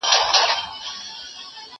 زه پرون کتابتون ته راغلم،